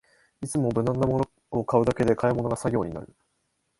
いつも無難なものを買うだけで買い物が作業になる